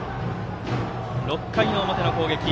６回の表の攻撃。